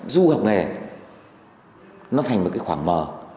du học nghề nó thành một cái khoảng mờ